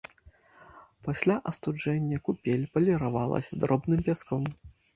Пасля астуджэння купель паліравалася дробным пяском.